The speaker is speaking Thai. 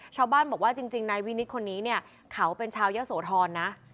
ชาวบ้านบอกว่าจริงนายวินิตคนนี้เนี่ยเขาเป็นชาวยะโสธรนะ